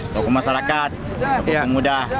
toko masyarakat tokong muda